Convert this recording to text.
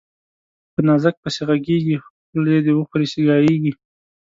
په نازک پسي ږغېږي، خولې ده وخوري سي ګايږي